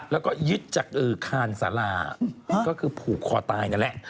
แล้วก็ยึดจากคานสาราก็คือผูกคอตายนั่นแหละ